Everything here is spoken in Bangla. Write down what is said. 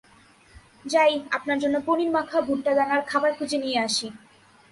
যাই, আপনার জন্য পনিরমাখা ভুট্টাদানার খাবার খুঁজে নিয়ে আসি।